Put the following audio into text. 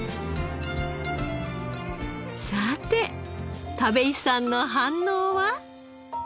さて田部井さんの反応は？